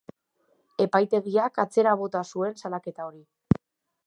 Epaitegiak atzera bota zuen salaketa hori.